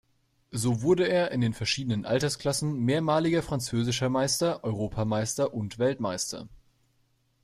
So wurde er in den verschiedenen Altersklassen mehrmaliger französischer Meister, Europameister und Weltmeister.